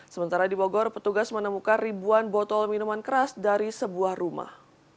sementara di bogor petugas menemukan ribuan botol minuman keras dari sebuah rumah